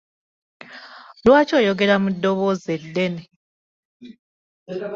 Lwaki oyogera mu ddoboozi ddene?